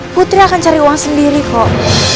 putri akan cari uang sendiri kok